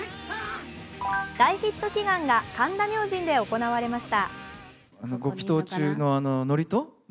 大ヒット祈願が神田明神で行われました。